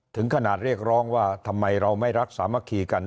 ถึงขนาดเรียกร้องว่าทำไมเราไม่รักสามัคคีกัน